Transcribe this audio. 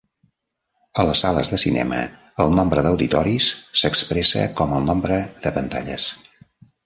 A les sales de cinema, el nombre d'auditoris s'expressa com el nombre de pantalles.